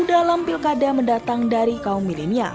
dalam pilkada mendatang dari kaum milenial